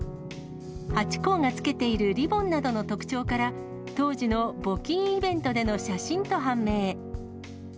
ハチ公が着けているリボンなどの特徴から、当時の募金イベントでの写真と判明。